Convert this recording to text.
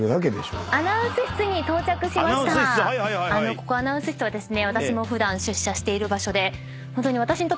ここアナウンス室はですね。